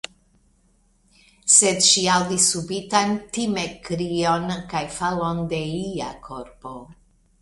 Sed ŝi aŭdis subitan timekkrion, kaj falon de ia korpo.